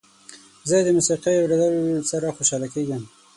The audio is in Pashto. زه د موسيقۍ اوریدلو سره خوشحاله کیږم.